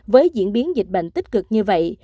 với diễn biến dịch bệnh tích cực như vậy